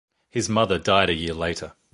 His mother died a year later.